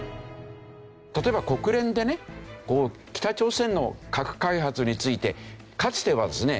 例えば国連でね北朝鮮の核開発についてかつてはですね